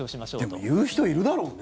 でも言う人いるだろうね。